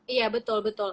iya betul betul